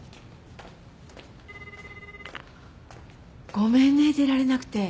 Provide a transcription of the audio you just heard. ごめんね出られなくて。